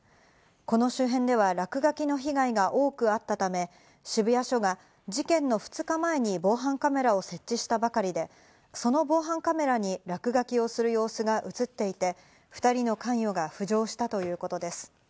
この周辺では落書きの被害が多くあったため、渋谷署が事件の２日前に防犯カメラを設置したばかりで、その防犯カメラに落書きをする様子が映っていて、２人の関与が浮上したということです。